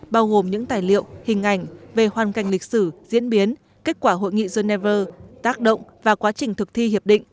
bao gồm những tài liệu hình ảnh về hoàn cảnh lịch sử diễn biến kết quả hội nghị geneva tác động và quá trình thực thi hiệp định